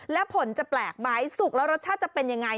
แล้วผลจะแปลกไหมสุกแล้วรสชาติจะเป็นยังไง